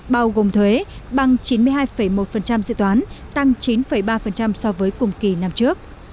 bao gồm thuế bằng chín mươi hai một dự toán tăng chín ba so với cùng kỳ năm trước